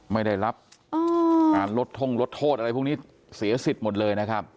ไม่ได้รับการลดท่งลดโทษอะไรพวกนี้เสียสิทธิ์หมดเลยนะครับ